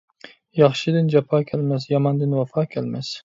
ياخشىدىن جاپا كەلمەس، ياماندىن ۋاپا كەلمەس.